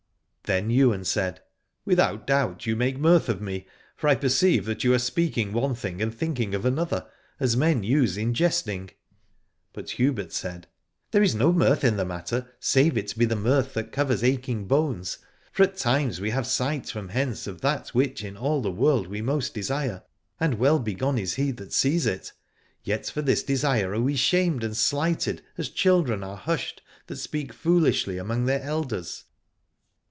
Then Ywain said, Without doubt you make mirth of me, for I perceive that you are speak ing one thing and thinking of another, as men use in jesting. But Hubert said. There is no mirth in the matter, save it be the mirth that covers aching bones. For at times we have sight from hence of that which in all the world we most desire, and well begone is he that sees it : yet for this desire are we shamed and slighted, as children are hushed that speak foolishly among their elders.